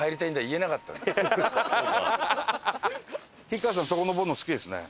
吉川さんそこ上るの好きですね。